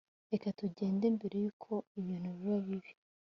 reka tugende mbere yuko ibintu biba bibi